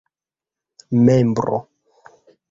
membro